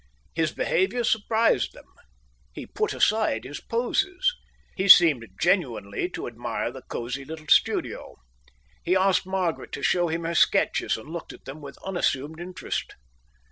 His behaviour surprised them. He put aside his poses. He seemed genuinely to admire the cosy little studio. He asked Margaret to show him her sketches and looked at them with unassumed interest.